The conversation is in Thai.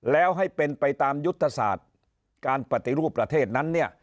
แล้วให้เป็นไปตามยุทธศาสตร์การปฏิรูปประเทศนั้นเนี่ย